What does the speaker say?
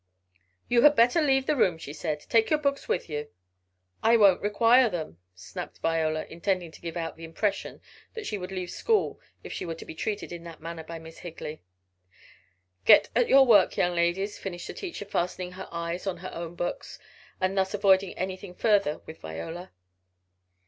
"You had better leave the room," she said "take your books with you." "I won't require them," snapped Viola, intending to give out the impression that she would leave school if she were to be treated in that manner by Miss Higley. "Get at your work, young ladies," finished the teacher, fastening her eyes on her own books, and thus avoiding anything further with Viola.